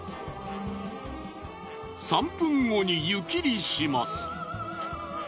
３分後に湯切りします。